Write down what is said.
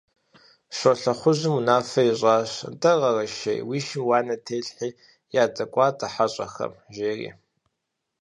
Щолэхъужьым унафэ ищӀащ: «НтӀэ, Къэрэшей, уи шым уанэ телъхьи ядэкӀуатэ хьэщӀэхэм», – жери.